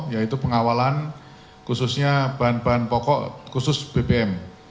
yaitu pengawalan khususnya bahan bahan pokok khusus bbm